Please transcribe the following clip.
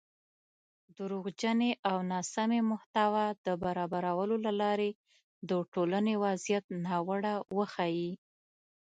دروغجنې او ناسمې محتوا د برابرولو له لارې د ټولنۍ وضعیت ناوړه وښيي